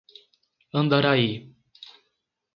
Andaraí